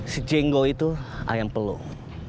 si jenggo itu ayam pelung